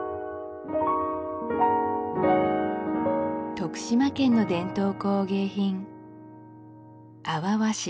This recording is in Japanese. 徳島県の伝統工芸品